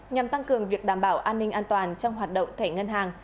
nhằm tăng cường việc đảm bảo an ninh an toàn trong hoạt động thẻ ngân hàng